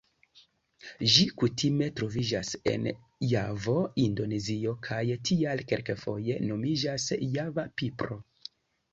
Ĝi kutime troviĝas en Javo Indonezio, kaj tial kelkfoje nomiĝas Java pipro.